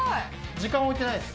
時間置いてないです。